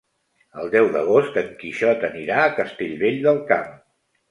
El deu d'agost en Quixot anirà a Castellvell del Camp.